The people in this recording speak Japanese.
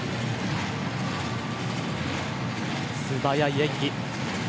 素早い演技。